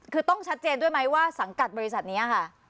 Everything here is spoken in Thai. คือต้องชัดเจนด้วยไหมว่าสังกัดบริษัทนี้ค่ะ